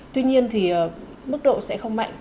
tuy nhiên thì mức độ sẽ không mạnh